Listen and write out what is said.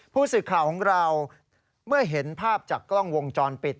ผู้สื่อข่าวของเราเมื่อเห็นภาพจากกล้องวงจรปิด